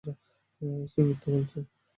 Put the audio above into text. সে মিথ্যা বলছে।